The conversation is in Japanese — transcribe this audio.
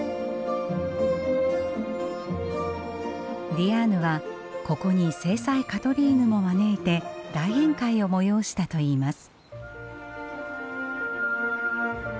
ディアーヌはここに正妻カトリーヌも招いて大宴会を催したといいます。